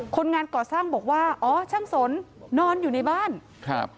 คนงานก่อสร้างบอกว่าอ๋อช่างสนนอนอยู่ในบ้านครับ